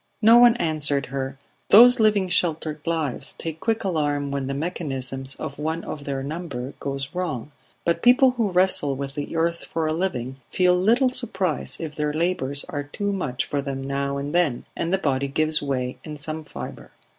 No one answered her. Those living sheltered lives take quick alarm when the mechanism of one of their number goes wrong, but people who wrestle with the earth for a living feel little surprise if their labours are too much for them now and then, and the body gives way in some fibre.